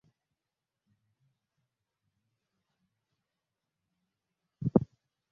Alielewa hatari ya kuporomoka kwa uchumi wake akatafuta uelewano na Marekani